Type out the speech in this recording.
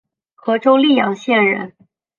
和州历阳县人。